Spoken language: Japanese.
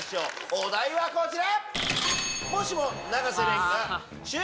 お題はこちら！